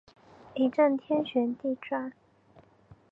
一阵天旋地转